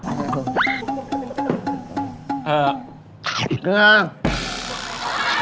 เชิญค่ะ